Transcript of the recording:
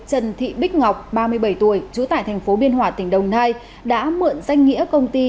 trần thị bích ngọc ba mươi bảy tuổi trú tại thành phố biên hòa tỉnh đồng nai đã mượn danh nghĩa công ty